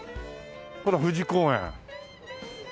ほら富士公園。